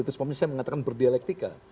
itu sebabnya saya mengatakan berdialektika